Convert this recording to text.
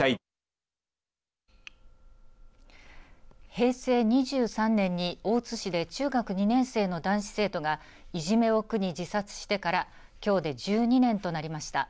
平成２３年に大津市で中学２年生の男子生徒がいじめを苦に自殺してからきょうで１２年となりました。